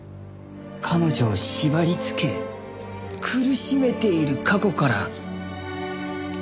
彼女を縛りつけ苦しめている過去から。